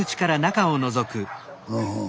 うんうん。